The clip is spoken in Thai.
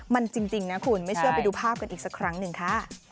มันจริงนะคุณไม่เชื่อไปดูภาพกันอีกสักครั้งหนึ่งค่ะ